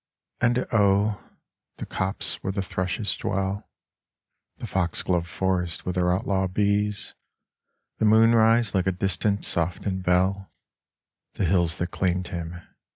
And oh, the copses where the thrushes dwell, The foxglove forests with their outlaw bees, The moon rise like a distance softened bell, The hills that claimed him